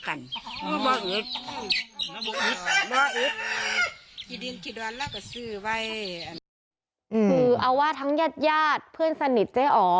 คือเอาว่าทั้งญาติเพื่อนสนิทเจ๊อ๋อ